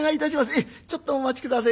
ええちょっとお待ち下さいまし